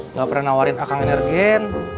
enggak pernah nawarin akang energen